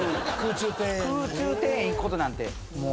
空中庭園行くことなんてもう。